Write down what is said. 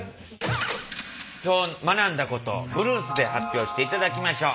今日学んだことブルースで発表していただきましょう。